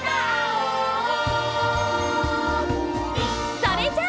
それじゃあ！